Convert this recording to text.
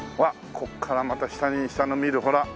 ここからまた下に見るほら。